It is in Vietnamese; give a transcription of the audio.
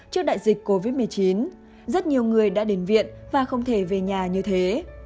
tại dịch covid một mươi chín rất nhiều người đã đến viện và không thể về nhà như thế